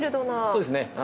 そうですね。